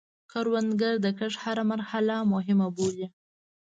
کروندګر د کښت هره مرحله مهمه بولي